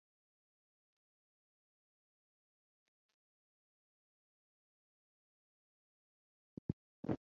As shopping center, most of the vendors in Glodok are Chinese Indonesian.